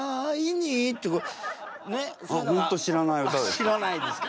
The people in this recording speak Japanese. あっ知らないですか。